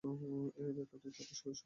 এই ব্যাখ্যাটি আমাদের শরীয়তসম্মত।